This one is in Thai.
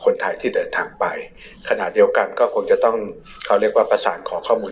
คนไทยที่เดินทางไปขณะเดียวกันก็คงจะต้องเขาเรียกว่าประสานขอข้อมูล